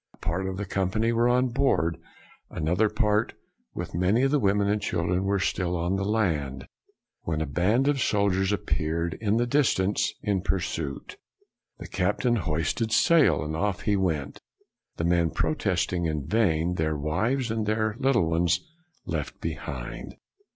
A part of the company were on board, an other part, with many of the women and children, were still on the land, when a band of soldiers appeared in the distance in pursuit. The captain hoisted sail, and off he went, the men protesting in vain, their wives and little ones left behind.